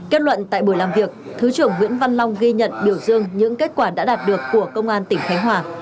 kết luận tại buổi làm việc thứ trưởng nguyễn văn long ghi nhận biểu dương những kết quả đã đạt được của công an tỉnh khánh hòa